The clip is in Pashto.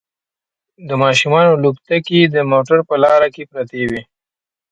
د ماشومانو لوبتکې د موټر په لاره کې پرتې وي